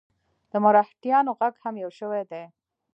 د مرهټیانو ږغ هم یو شوی دی.